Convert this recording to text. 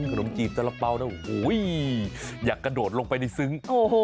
กรมจีบรับป้าอยากกระโดดลงไปในซึ้ง